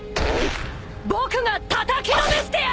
僕がたたきのめしてやる！